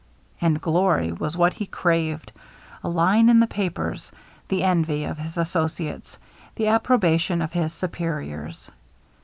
And glory was what he craved — a line in the papers, the envy of his associates, the approbation of his superiors.